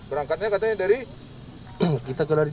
berangkatnya katanya dari